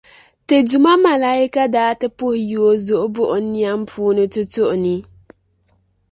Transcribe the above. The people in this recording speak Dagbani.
Ti duuma malaika daa ti puhi yi o zuɣu buɣim niɛm puuni tutuɣu ni.